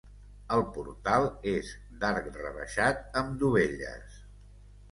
El portal és d'arc rebaixat amb dovelles.